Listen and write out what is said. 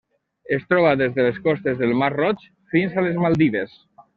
Es troba des de les costes del Mar Roig fins a les Maldives.